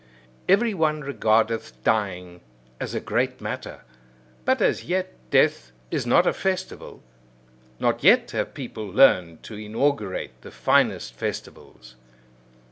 Every one regardeth dying as a great matter: but as yet death is not a festival. Not yet have people learned to inaugurate the finest festivals.